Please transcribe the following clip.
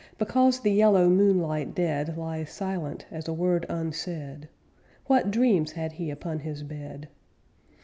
Because the yellow moonlight dead Lies silent as a word unsaid What dreams had he upon his bed?